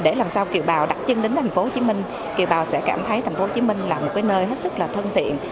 để làm sao kiều bào đặt chân đến thành phố hồ chí minh kiều bào sẽ cảm thấy thành phố hồ chí minh là một nơi hết sức là thân thiện